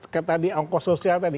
ketika di ongkos sosial tadi